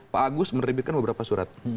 pak agus menerbitkan beberapa surat